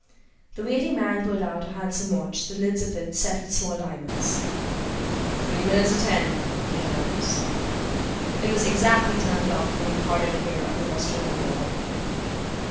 The waiting man pulled out a handsome watch, the lids of it set with small diamonds. "Three minutes to ten," he announced. "It was exactly ten o'clock when we parted here at the restaurant door."